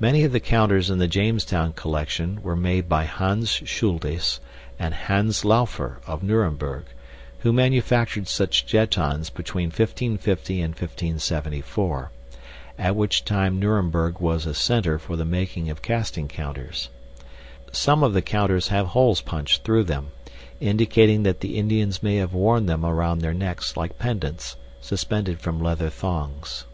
Many of the counters in the Jamestown collection were made by Hans Schultes and Hans Laufer of Nuremberg, who manufactured such jettons between 1550 and 1574, at which time Nuremberg was a center for the making of casting counters. Some of the counters have holes punched through them, indicating that the Indians may have worn them around their necks like pendants, suspended from leather thongs.